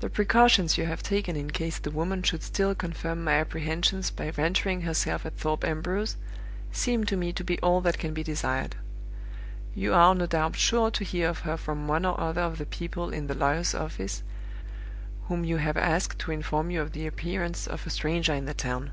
The precautions you have taken in case the woman should still confirm my apprehensions by venturing herself at Thorpe Ambrose seem to me to be all that can be desired. You are no doubt sure to hear of her from one or other of the people in the lawyer's office, whom you have asked to inform you of the appearance of a stranger in the town.